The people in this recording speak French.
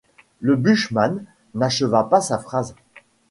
Le bushman n’acheva pas sa phrase.